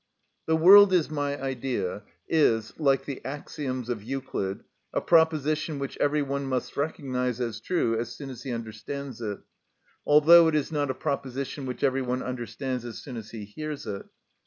"The world is my idea" is, like the axioms of Euclid, a proposition which every one must recognise as true as soon as he understands it; although it is not a proposition which every one understands as soon as he hears it.